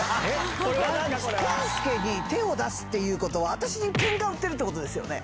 健介に手を出すっていうことは、私にけんか売ってるってことですよね。